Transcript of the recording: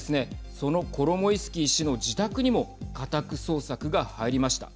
そのコロモイスキー氏の自宅にも家宅捜索が入りました。